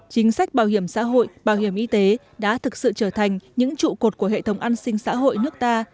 chính sách bảo hiểm xã hội bảo hiểm y tế đã thực sự trở thành những trụ cột của hệ thống an sinh xã hội nước ta